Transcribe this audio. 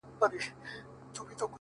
o د زنده گۍ ياري كړم،